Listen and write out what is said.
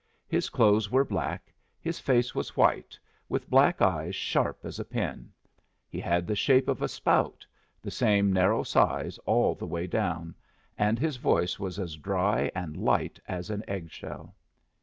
His clothes were black; his face was white, with black eyes sharp as a pin; he had the shape of a spout the same narrow size all the way down and his voice was as dry and light as an egg shell.